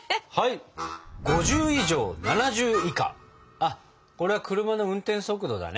あこれは車の運転速度だね？